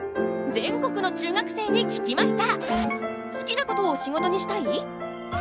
全国の中学生に聞きました！